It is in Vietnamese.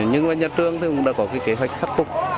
nhưng nhà trường cũng đã có kế hoạch khắc phục